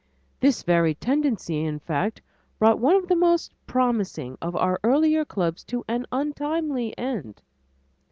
This very tendency, in fact, brought one of the most promising of our earlier clubs to an untimely end.